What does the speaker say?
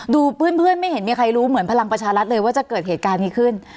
เพื่อนไม่เห็นมีใครรู้เหมือนพลังประชารัฐเลยว่าจะเกิดเหตุการณ์นี้ขึ้น